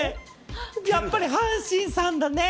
やっぱり阪神さんだね。